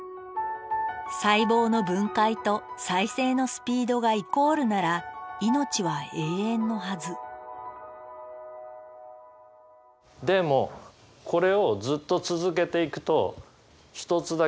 細胞の分解と再生のスピードがイコールなら命は永遠のはずでもこれをずっと続けていくと一つだけ大きな問題が起こります。